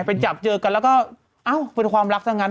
ไปจับเจอกันแล้วก็เอ้าเป็นความรักซะงั้น